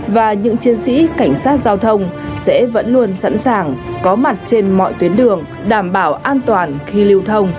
và những chiến sĩ cảnh sát giao thông sẽ vẫn luôn sẵn sàng có mặt trên mọi tuyến đường đảm bảo an toàn khi lưu thông